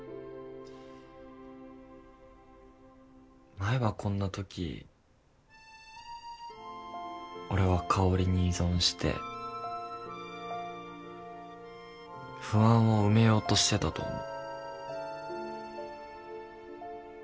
前はこんな時俺は香に依存して不安を埋めようとしてたと思う。